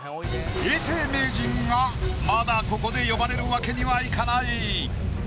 永世名人がまだここで呼ばれるわけにはいかない。